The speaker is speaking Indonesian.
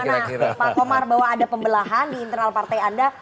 bagaimana pak komar bahwa ada pembelahan di internal partai anda